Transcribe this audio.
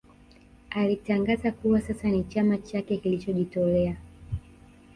Alitangaza kuwa sasa ni chama chake kilichojitolea